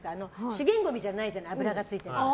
資源ごみじゃないじゃない油がついてるから。